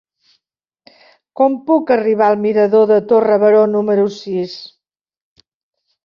Com puc arribar al mirador de Torre Baró número sis?